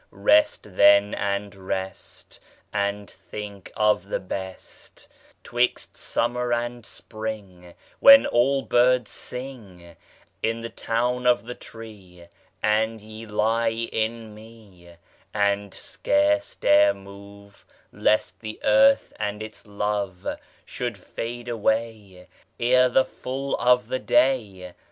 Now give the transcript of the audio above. Rest then and rest, And think of the best 'Twixt summer and spring, When all birds sing In the town of the tree, And ye lie in me And scarce dare move, Lest the earth and its love Should fade away Ere the full of the day.